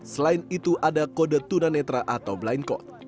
selain itu ada kode tunanetra atau blind code